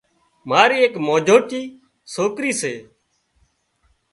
ماري ايڪ مجوٽي سوڪرِي سي